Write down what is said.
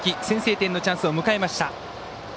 先制点のチャンスを迎えました。